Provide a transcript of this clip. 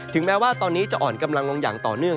แม้ว่าตอนนี้จะอ่อนกำลังลงอย่างต่อเนื่อง